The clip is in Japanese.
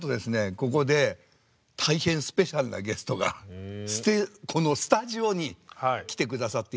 ここで大変スペシャルなゲストがこのスタジオに来て下さっているそうなんですよ。